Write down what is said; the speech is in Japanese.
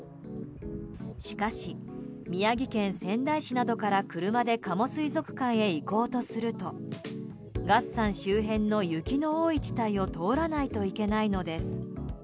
しかし、宮城県仙台市などから車で加茂水族館へ行こうとすると月山周辺の雪の多い地帯を通らないといけないのです。